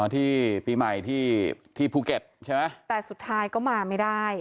ที่ปีใหม่ที่ที่ภูเก็ตใช่ไหมแต่สุดท้ายก็มาไม่ได้